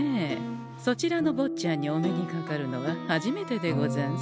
そちらのぼっちゃんにお目にかかるのは初めてでござんす。